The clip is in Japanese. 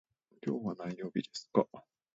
今日は何曜日ですか。